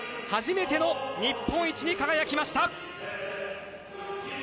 初めての日本一に輝きました。